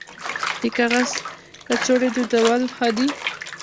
د کاغذ کڅوړې دودول ښه دي